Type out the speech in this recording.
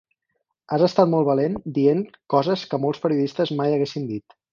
Has estat molt valent dient coses que molts periodistes mai haguessin dit.